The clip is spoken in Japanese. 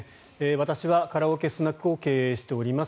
私はカラオケスナックを経営しております。